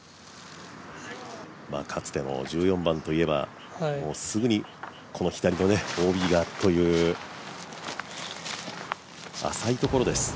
かつての１４番といえば、すぐにこの左のＯＢがという、浅いところです。